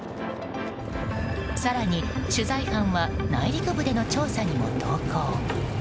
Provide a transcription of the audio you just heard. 更に取材班は内陸部での調査にも同行。